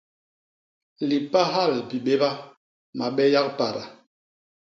Lipahal bibéba; mabe yak pada.